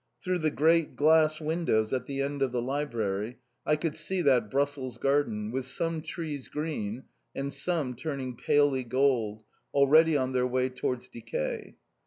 Through the great glass windows at the end of the library I could see that Brussels garden, with some trees green, and some turning palely gold, already on their way towards decay.